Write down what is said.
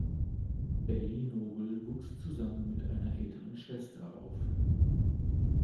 Bailey Noble wuchs zusammen mit einer älteren Schwester auf.